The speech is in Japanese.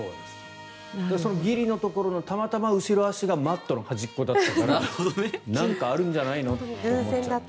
そのギリのところのたまたま後ろ足がマットの端っこだったからなんかあるんじゃないの？って思っちゃった。